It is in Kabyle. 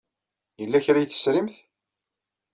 Yella kra ay tesrimt?